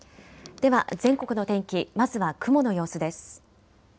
では全国の天気まずは雲の様子です。